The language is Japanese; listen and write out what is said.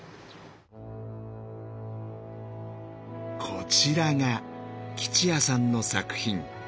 こちらが喜千也さんの作品。